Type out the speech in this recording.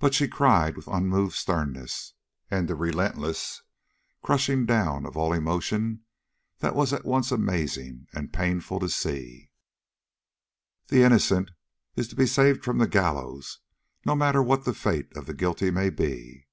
But she cried with unmoved sternness, and a relentless crushing down of all emotion that was at once amazing and painful to see: "The innocent is to be saved from the gallows, no matter what the fate of the guilty may be."